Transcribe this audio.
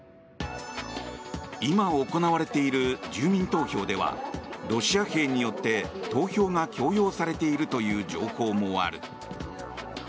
今、行われている住民投票ではロシア兵によって投票が強要されているという情報もある。